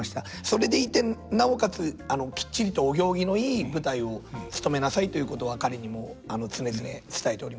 それでいてなおかつきっちりとお行儀のいい舞台をつとめなさいということは彼にも常々伝えております。